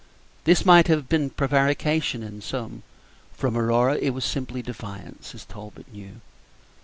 This might have been prevarication in some; from Aurora it was simply defiance, as Talbot knew.